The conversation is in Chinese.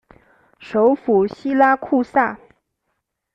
首府锡拉库萨。